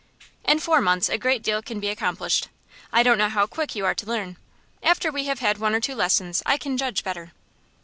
"In four months a great deal can be accomplished. I don't know how quick you are to learn. After we have had one or two lessons I can judge better."